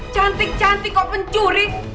cantik cantik kok pencuri